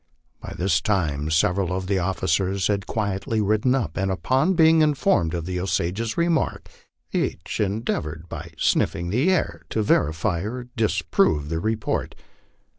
By this time several of the officers had quietly ridden up, and upon being informed of the Osage's remark, each endeavored, by sniffing the air, to verify or disprove the report.